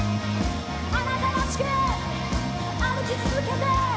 あなたらしく歩き続けて！